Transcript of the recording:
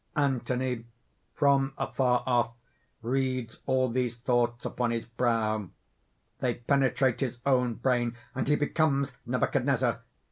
_ _Anthony, from afar off, reads all these thoughts upon his brow. They penetrate his own brain, and he becomes Nebuchadnezzar.